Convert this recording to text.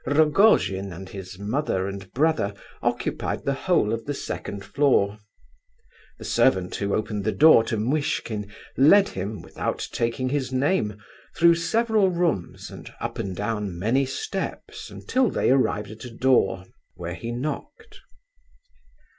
Rogojin and his mother and brother occupied the whole of the second floor. The servant who opened the door to Muishkin led him, without taking his name, through several rooms and up and down many steps until they arrived at a door, where he knocked.